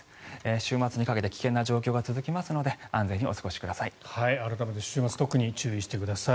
週末にかけて危険な状況が続きますので安全にお過ごしください。